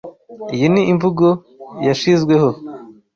Iyi ni imvugo yashizweho.